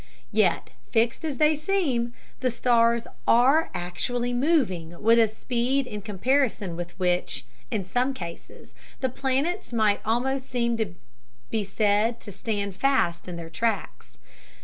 Yet, fixed as they seem, the stars are actually moving with a speed in comparison with which, in some cases, the planets might almost be said to stand fast in their tracks.